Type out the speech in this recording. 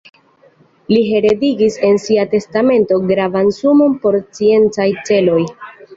Li heredigis en sia testamento gravan sumon por sciencaj celoj.